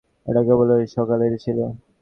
এটা কেবল ঐ সকালই ছিল।